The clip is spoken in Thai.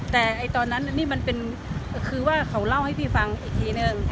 แต่ตอนนั้นนี่มันเป็นคือว่าเขาเล่าให้พี่ฟังอีกทีนึง